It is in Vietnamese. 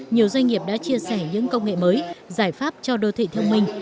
nhiều doanh nghiệp đã chia sẻ những công nghệ mới giải pháp cho đô thị thông minh